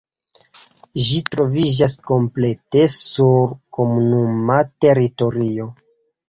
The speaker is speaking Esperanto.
Ĝi troviĝas komplete sur komunuma teritorio.